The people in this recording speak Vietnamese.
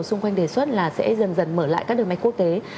xung quanh đề xuất là sẽ dần dần mở lại các đường bay quốc tế